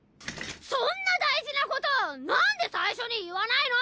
そんな大事なことなんで最初に言わないの！？